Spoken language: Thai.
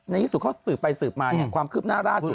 ในที่สุดเขาสืบไปสืบมาความคืบหน้าล่าสุด